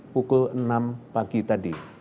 pukul enam pagi tadi